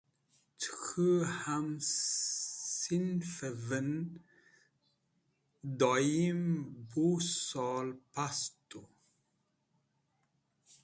Cẽ k̃hũ ham sinfenem doyim bu sol past tu.